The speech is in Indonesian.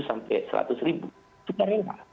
sampai seratus ribu sukarela